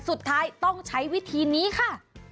สุดท้ายต้องใช้วิธีนี้ค่ะ